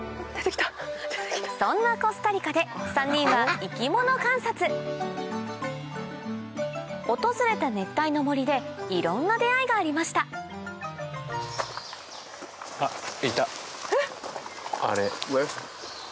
そんなコスタリカで３人は訪れた熱帯の森でいろんな出合いがありましたあっいたあれ。